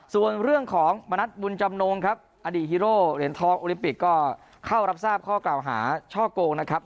ส่วนเรื่องของมณัฐบุญจำนงครับอดีตฮีโร่เหรียญทองโอลิมปิกก็เข้ารับทราบข้อกล่าวหาช่อโกงนะครับ